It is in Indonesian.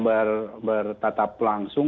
berhubungan yang bertatap langsung